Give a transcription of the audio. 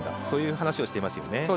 そういう話をしていますね。